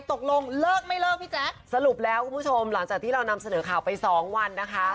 ตกลงเลิกไม่เลิกพี่แจ๊คสรุปแล้วคุณผู้ชมหลังจากที่เรานำเสนอข่าวไปสองวันนะคะ